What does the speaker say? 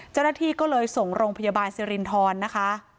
เจ้าหน้าที่ก็เลยส่งโรงพยาบาลสิรินทรนะคะ